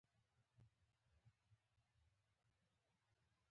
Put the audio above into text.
• بښل له خدای سره نېږدې کوي.